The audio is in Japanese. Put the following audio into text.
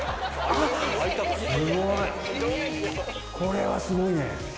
これはすごいね！